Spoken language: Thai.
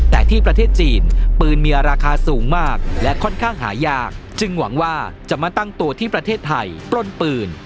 แต่ที่ประเทศจีนปืนมีราคาสูงมากและค่อนข้างหายากจึงหวังว่าจะมาตั้งตัวที่ประเทศไทยปล้นปืน